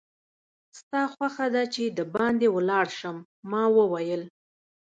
ستا خوښه ده چې دباندې ولاړ شم؟ ما وویل.